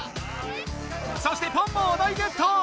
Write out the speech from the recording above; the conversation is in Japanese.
そしてポンもお題ゲット！